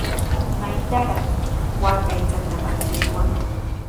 ¿Maytrawraq waaka aychata rantishwan?